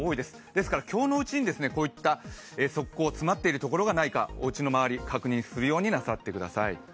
ですから今日のうちに、こういった側溝詰まっているところがないか、おうちの周り、確認するようになさってください。